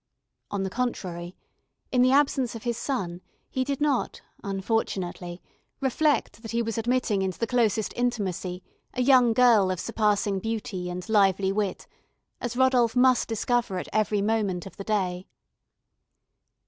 On the contrary, in the absence of his son, he did not, unfortunately, reflect that he was admitting into the closest intimacy a young girl of surpassing beauty, and of lively wit, as Rodolph must discover at every moment of the day.